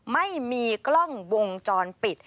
ไม่มีกล้องวงจรปิด